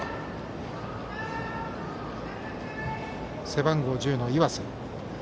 背番号１０の岩瀬。